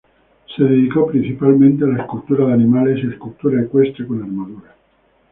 Se dedicó principalmente a la escultura de animales y a escultura ecuestre con armaduras.